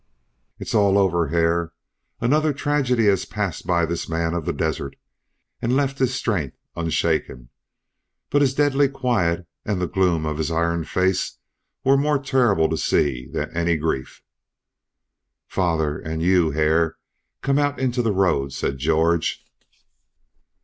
"It's all over, Hare." Another tragedy had passed by this man of the desert, and left his strength unshaken, but his deadly quiet and the gloom of his iron face were more terrible to see than any grief. "Father, and you, Hare, come out into the road," said George.